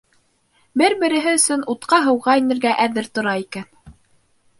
Бер-береһе өсөн утҡа-һыуға инергә әҙер тора икән.